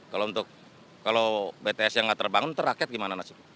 kalau bts yang tidak terbangun itu rakyat gimana nasibnya